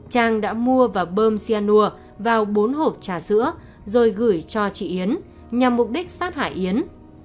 trang đã mua và bơm cyanur vào bốn hộp trà sữa rồi gửi cho chị yến nhằm mục đích sát hại yến